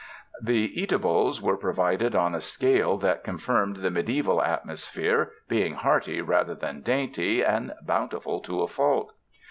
The eatables were provided on a scale that con firmed the mediaeval atmosphere, being hearty rather than dainty, and bountiful to a fault.